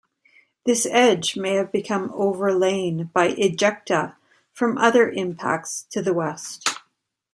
This edge may have become overlain by ejecta from other impacts to the west.